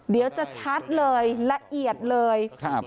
เดี๋ยวจะชัดเลยละเอียดเลย